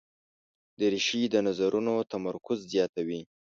دریشي د نظرونو تمرکز زیاتوي.